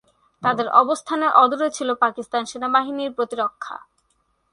তাদের অবস্থানের অদূরে ছিল পাকিস্তান সেনাবাহিনীর প্রতিরক্ষা।